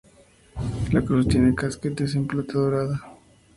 La cruz tiene casquetes en plata dorada.